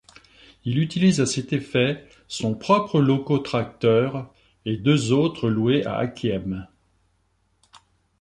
Il utilise à cet effet son propre locotracteur et deux autres, loués à Akiem.